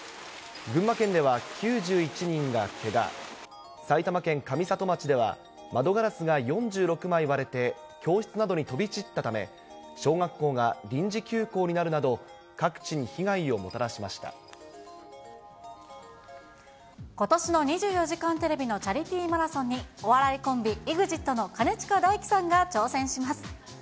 群馬県では９１人がけが、埼玉県上里町では、窓ガラスが４６枚割れて、教室などに飛び散ったため、小学校が臨時休校になるなど、ことしの２４時間テレビのチャリティーマラソンに、お笑いコンビ、ＥＸＩＴの兼近大樹さんが挑戦します。